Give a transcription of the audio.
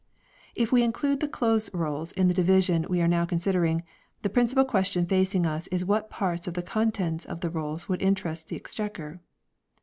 If we include the Close Rolls in the division we are now considering, the principal question facing us is what parts of the contents of the rolls would interest the Exchequer.